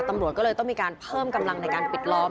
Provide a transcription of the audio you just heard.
ตำรวจก็เลยต้องมีการเพิ่มกำลังในการปิดล้อม